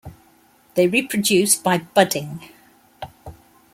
They reproduce by budding.